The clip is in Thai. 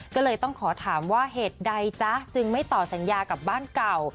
ก็เลยต้องขอถามว่าเหตุใดจ๊ะจึงไม่ต่อสัญญากับบ้านเก่า